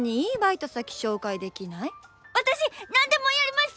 私何でもやります！